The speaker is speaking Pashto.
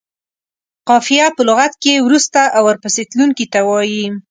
قافیه په لغت کې وروسته او ورپسې تلونکي ته وايي.